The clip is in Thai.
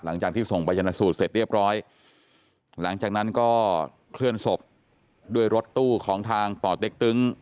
หลังจากที่ส่งไปจนสูตรเสร็จเรียบร้อยหลังจากนั้นก็เคลื่อนศพด้วยรถตู้ของทางป่อเต็กตึง